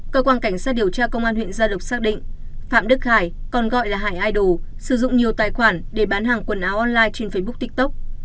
cơ quan cảnh sát điều tra công an huyện gia lộc xác định phạm đức khải còn gọi là hải idol sử dụng nhiều tài khoản để bán hàng quần áo online trên facebook tiktok